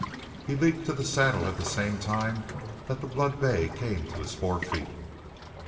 He leaped to the saddle at the same time that the blood bay came to his four feet.